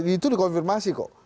itu dikonfirmasi kok